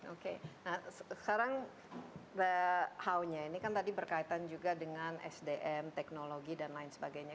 oke nah sekarang how nya ini kan tadi berkaitan juga dengan sdm teknologi dan lain sebagainya